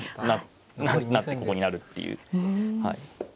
なってここに成るっていう。